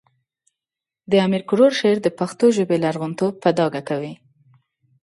د امیر کروړ شعر د پښتو ژبې لرغونتوب په ډاګه کوي